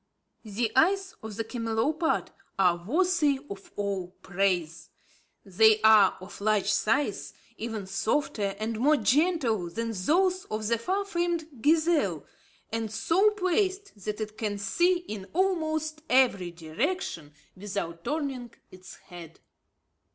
The eyes of the camelopard are worthy of all praise. They are of large size, even softer and more gentle than those of the far famed gazelle, and so placed that it can see in almost every direction without turning its head.